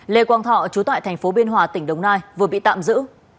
lê quang thọ chú tại thành phố biên hòa tỉnh đồng nai vừa bị tạm giữ